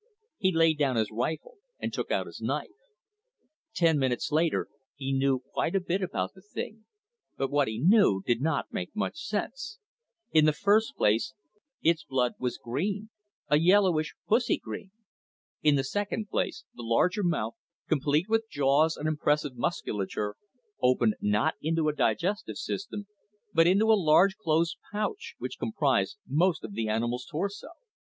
He laid down his rifle and took out his knife. Ten minutes later, he knew quite a bit about the thing, but what he knew did not make much sense. In the first place, its blood was green, a yellowish pussy green. In the second place, the larger mouth, complete with jaws and impressive musculature, opened not into a digestive system, but into a large closed pouch which comprised most of the animal's torso.